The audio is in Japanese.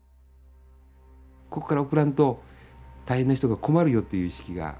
ここから送らんと大変な人が困るよという意識が。